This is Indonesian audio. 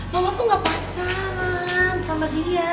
mama tuh gak pacaran sama dia